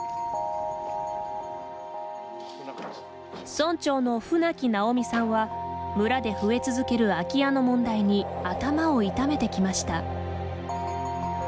村長の舩木直美さんは村で増え続ける空き家の問題に頭を痛めてきました。